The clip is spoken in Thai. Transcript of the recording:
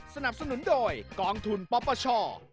สนับสนุนโดยกองทุนป๊อปป้าช่อ